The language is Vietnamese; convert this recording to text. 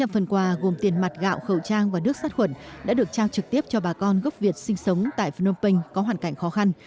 năm phần quà gồm tiền mặt gạo khẩu trang và nước sát khuẩn đã được trao trực tiếp cho bà con gốc việt sinh sống tại phnom penh có hoàn cảnh khó khăn